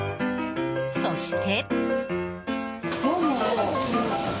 そして。